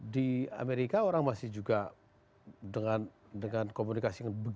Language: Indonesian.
di amerika orang masih juga dengan komunikasi dengan berguna